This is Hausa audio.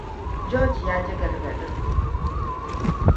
Gearge ya ji gargaɗin.